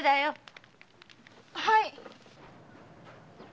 はい。